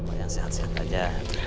emang yang sehat sehat aja